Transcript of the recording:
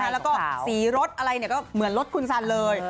แล้วก็สีรถอะไรก็เหมือนรถคุณสันเลย